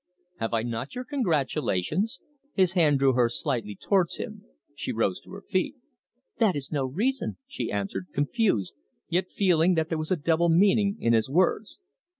"Have I not your congratulations?" His hand drew her slightly towards him; she rose to her feet. "That is no reason," she answered, confused, yet feeling that there was a double meaning in his words.